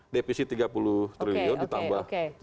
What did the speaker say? devisi tiga puluh triliun ditambah